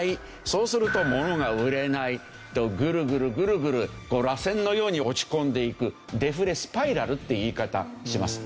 そうると物が売れないとぐるぐるぐるぐるらせんのように落ち込んでいくデフレスパイラルって言い方します。